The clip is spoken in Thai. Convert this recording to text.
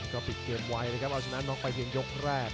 ก็ปิดเกมไว้นะครับเอาชนะน็อกไปเพียงยกแรก